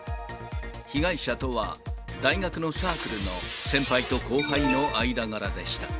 被害者とは大学のサークルの先輩と後輩の間柄でした。